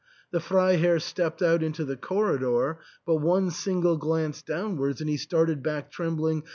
The Freiherr stepped out into the corridor ; but one single glance downwards, and he started back trembling.